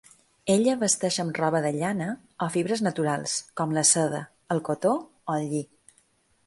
Ella vesteix amb roba de llana o fibres naturals, com la seda, el cotó o el lli.